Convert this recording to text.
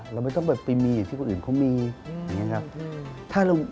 เราไม่ต้องไปมีอย่างที่คนอื่นเขามีอย่างนี้ครับ